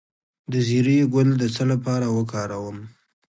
د زیرې ګل د څه لپاره وکاروم؟